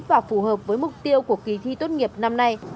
và phù hợp với mục tiêu của kỳ thi tốt nghiệp năm nay